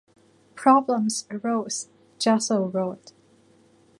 "Problems arose", Gessle wrote.